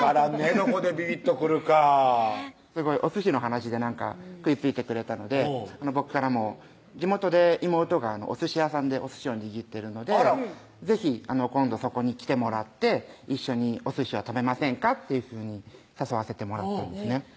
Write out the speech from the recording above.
どこでビビッとくるかおすしの話でなんか食いついてくれたので僕からも地元で妹がおすし屋さんでおすしを握っているので「是非今度そこに来てもらって一緒におすしを食べませんか？」っていうふうに誘わせてもらったんですね